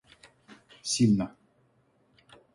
сильно